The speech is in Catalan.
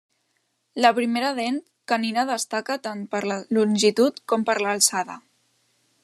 La primera dent canina destaca tant per la longitud com per l'alçada.